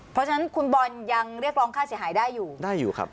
เพราะฉะนั้นคุณบอลยังเรียกร้องค่าเสียหายได้อยู่ได้อยู่ครับ